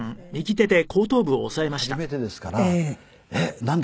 もちろん初めてですからえっなんだ？